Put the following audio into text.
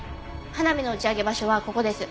花火の打ち上げ場所はここです。